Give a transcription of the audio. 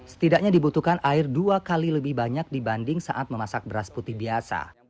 setidaknya dibutuhkan air dua kali lebih banyak dibanding saat memasak beras putih biasa